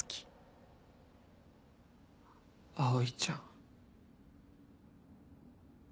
葵ちゃん。